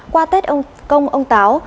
qua tết công ông táo